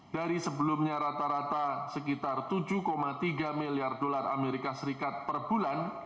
dari sebelumnya rata rata sekitar rp tujuh tiga miliar per bulan